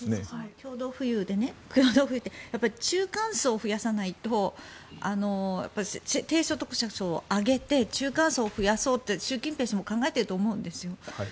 共同富裕で中間層を増やさないと低所得者層を上げて中所得者層を増やそうって習近平氏も考えていると思うんですよ。